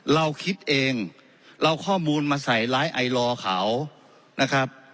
เราคิดเองเราข้อมูลมาใส่ไลฟ์ไอลอร์เขานะครับ